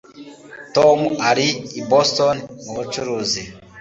Tom ari i Boston mubucuruzi